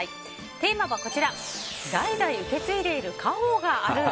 テーマは代々受け継いでいる家宝がある。